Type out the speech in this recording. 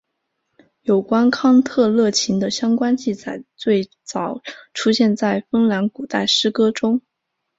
有关康特勒琴的相关记载最早出现在芬兰古代诗歌中。